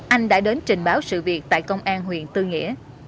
anh đã đến trình báo sự việc tại công an huyện tư nghĩa